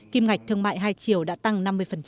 kim ngạch thương mại hai triệu đã tăng năm mươi